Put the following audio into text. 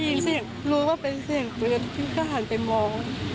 ได้ยินเสียงรู้ว่าเป็นเสียงปืนทุกข้างไปมอง